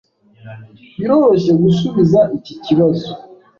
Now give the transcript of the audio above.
Biroroshye gusubiza iki kibazo.